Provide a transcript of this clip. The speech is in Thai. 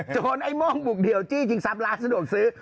โจรไอ้โม่งหมุกเดี่ยวจี้ชิงซับล้านสะดวกซื้อ